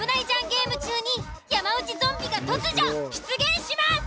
ゲーム中に山内ゾンビが突如出現します！